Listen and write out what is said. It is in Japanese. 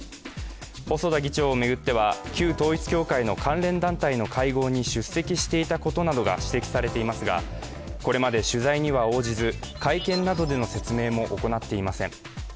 細田議長を巡っては旧統一教会の関連団体の会合などに出席していたことなどが指摘されていますが、これまで取材などには応じず会見などでの説明も行っていません。